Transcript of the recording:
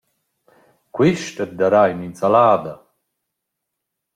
«Quist at darà ün’insalada!»